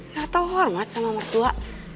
gak tau hormat sama mertua